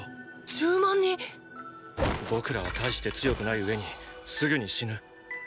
１０万人⁉僕らは大して強くない上にすぐに死ぬ。